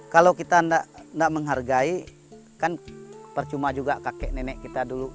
kalau kita tidak menghargai kan percuma juga kakek nenek kita dulu